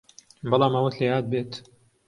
بەڵام ئەوەت لە یاد بێت